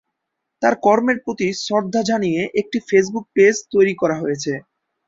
তার কর্মের প্রতি শ্রদ্ধা জানিয়ে একটি ফেসবুক পেজ তৈরি করা হয়েছে।